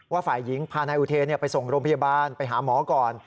ฝ่ายหญิงพานายอุเทนไปส่งโรงพยาบาลไปหาหมอก่อน